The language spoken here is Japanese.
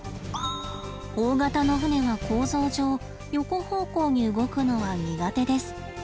大型の船は構造上横方向に動くのは苦手です。